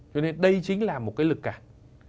cho nên đây chính là một cái lực cản